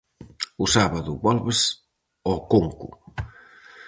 O sábado volves ó Conco.